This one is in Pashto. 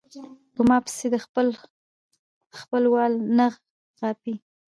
پۀ ما پسې د خپل خپل وال نه غاپي